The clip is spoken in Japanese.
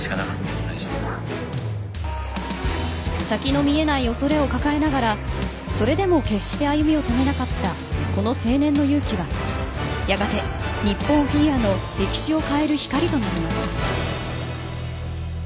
先の見えない恐れを抱えながらそれでも決して歩みを止めなかったこの青年の勇気はやがて日本フィギュアの歴史を変える光となります。